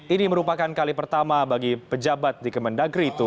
ini merupakan kali pertama bagi pejabat di kemendagri itu